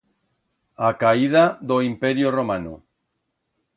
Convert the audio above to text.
A caída d'o Imperio romano.